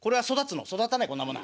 「育たねえこんなものは。